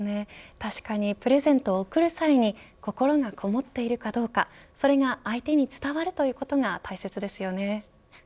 確かに、プレゼントを贈る際に心がこもっているかどうかそれが相手に伝わるということが大切ですよね。